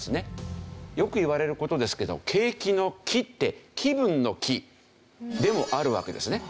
よく言われる事ですけど景気の気って気分の気でもあるわけですね。